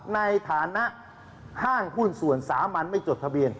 ในฐานะห้างหุ้นส่วนสามัญไม่จดทะเบียน